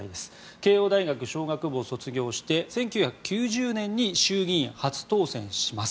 慶応大学商学部を卒業して１９９０年に衆議院、初当選します。